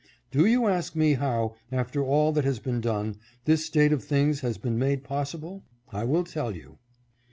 Do you ask me how, after all that has been done, this state of things has been made possible ? I will tell you.